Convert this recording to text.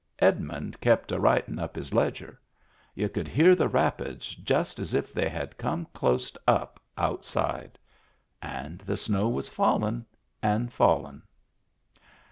Edmund kep' a writin' up his ledger. Y'u could hear the rapids just as if they had come clost up outside. And the snow was fallin' and fallin'.